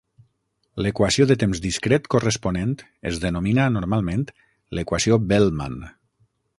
L'equació de temps discret corresponent es denomina normalment l'equació Bellman.